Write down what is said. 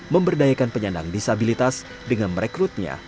memberdayakan penyandang disabilitas dengan merekrutnya